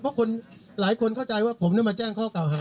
เพราะคนหลายคนเข้าใจว่าผมมาแจ้งข้อเก่าหา